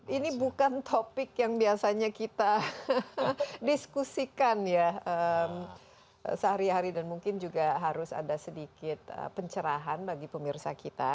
ini bukan topik yang biasanya kita diskusikan ya sehari hari dan mungkin juga harus ada sedikit pencerahan bagi pemirsa kita